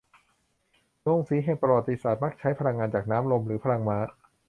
โรงสีแห่งประวัติศาสตร์มักใช้พลังงานจากน้ำลมหรือพลังม้า